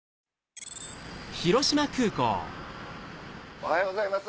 おはようございます。